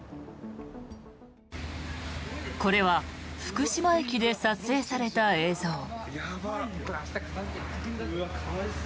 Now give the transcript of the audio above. これは福島駅で撮影された映像。